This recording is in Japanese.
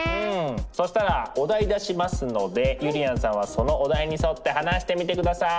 そしたらお題出しますのでゆりやんさんはそのお題に沿って話してみて下さい。